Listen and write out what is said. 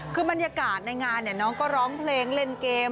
คือบรรยากาศในงานน้องก็ร้องเพลงเล่นเกม